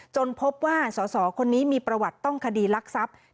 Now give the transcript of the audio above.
พบว่าสสคนนี้มีประวัติต้องคดีรักทรัพย์